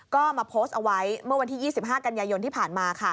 ก็มาโพสต์เอาไว้เมื่อวันที่๒๕กันยายนที่ผ่านมา